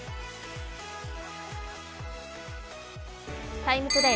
「ＴＩＭＥ，ＴＯＤＡＹ」